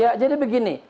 ya jadi begini